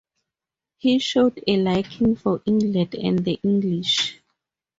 He showed a liking for England and the English.